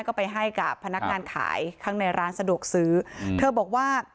ก็ไปให้กับพนักงานขายข้างในร้านสะดวกซื้อเธอบอกว่า